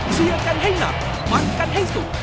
เชียร์กันให้หนักมันกันให้สุด